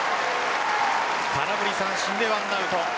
空振り三振で１アウト。